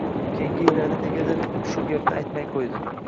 Keyingi yillarda negadir shu gapini aytmay qo‘ydi